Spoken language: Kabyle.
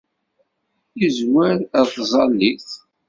Yezwar ar tẓallit.